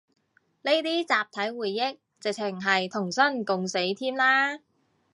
呢啲集體回憶，直程係同生共死添啦